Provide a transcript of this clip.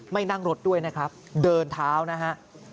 นั่งรถด้วยนะครับเดินเท้านะฮะ